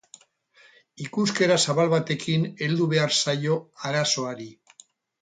Ikuskera zabal batekin heldu behar zaio arazoari.